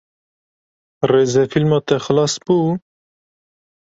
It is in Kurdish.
Rêzefîlma te xilas bû?